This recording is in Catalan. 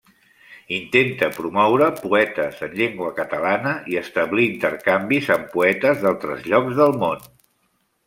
Intenta promoure poetes en llengua catalana i establir intercanvis amb poetes d'altres llocs del món.